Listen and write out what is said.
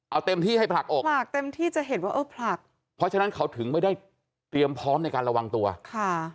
เอาเต็มที่ให้ผลักอกผลักเต็มที่จะเห็นว่าเออผลักเพราะฉะนั้นเขาถึงไม่ได้เตรียมพร้อมในการระวังตัวค่ะ